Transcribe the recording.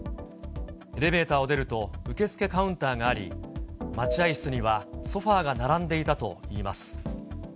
エレベーターを出ると受付カウンターがあり、待合室にはソファーが並んでいたといいます。